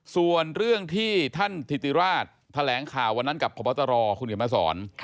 ส่วนเรื่องที่ท่านธิติราชแถลงข่าววันนั้นกับพบตรคุณเขียนมาสอน